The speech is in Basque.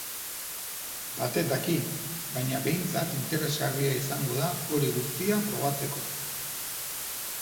Batek daki, baina behintzat interesgarria izango da hori guztia probatzeko.